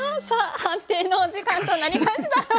さあ判定のお時間となりました。